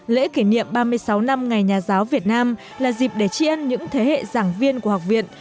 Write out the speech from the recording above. lễ kỷ niệm ba mươi sáu năm ngày nhà giáo việt nam là dịp để tri ân những thế hệ giảng viên của học viện